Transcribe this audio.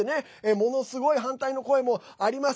ものすごい反対の声もあります。